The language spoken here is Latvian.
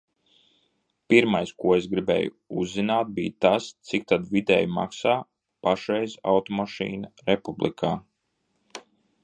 Pirmais, ko es gribēju uzzināt, bija tas, cik tad vidēji maksā pašreiz automašīna republikā.